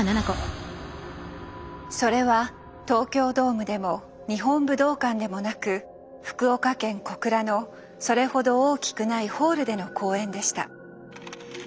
それは東京ドームでも日本武道館でもなく福岡県小倉のそれほど大きくないホールでの公演でした。